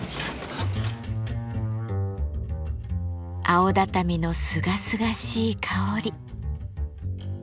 青畳のすがすがしい香り。